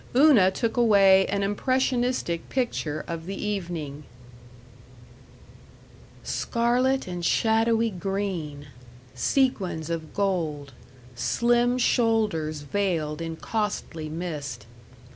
Una took away an impressionistic picture of the evening Scarlet and shadowy green, sequins of gold, slim shoulders veiled in costly mist.